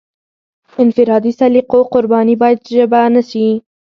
د انفرادي سلیقو قرباني باید ژبه نشي.